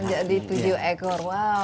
jadi tujuh ekor wow